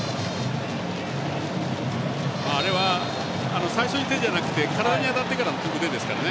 あれは最初に手じゃなくて体に当たってからの腕ですからね。